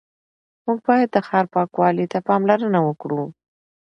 موږ باید د ښار پاکوالي ته پاملرنه وکړو